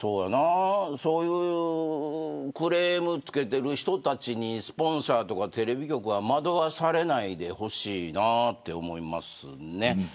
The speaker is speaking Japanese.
クレームをつけている人たちにスポンサーやテレビ局は惑わされないでほしいなと思いますね。